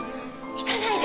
行かないで！